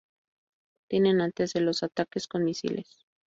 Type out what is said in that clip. Tienen antes de los ataques con misiles.